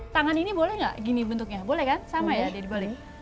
tangan ini boleh nggak gini bentuknya boleh kan sama ya jadi boleh